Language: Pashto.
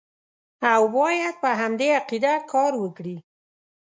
او باید په همدې عقیده کار وکړي.